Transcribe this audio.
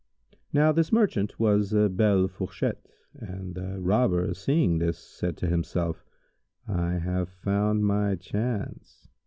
Now this merchant was a belle fourchette, and the Robber seeing this, said to himself, "I have found my chance."